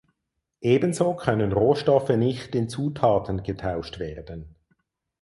Ebenso können Rohstoffe nicht in Zutaten getauscht werden.